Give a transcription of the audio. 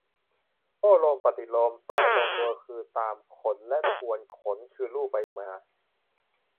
โอ้โลม ปฏิโลม แปลตรงตัวคือตามขนและทวนขน คือลูบไปลูบมา